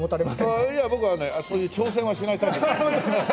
いや僕はねそういう挑戦はしないタイプ。